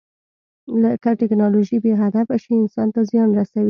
که ټیکنالوژي بې هدفه شي، انسان ته زیان رسوي.